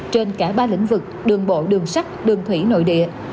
trên cả ba lĩnh vực đường bộ đường sắt đường thủy nội địa